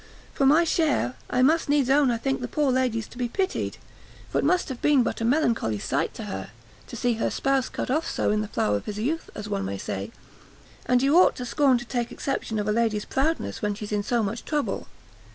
for my share, I must needs own I think the poor lady's to be pitied; for it must have been but a melancholy sight to her, to see her spouse cut off so in the flower of his youth, as one may say; and you ought to scorn to take exceptions at a lady's proudness when she's in so much trouble.